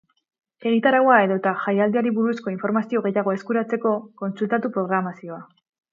Egitaraua edota jaialdiari buruzko informazio gehiago eskuratzeko, kontsultatu programazioa.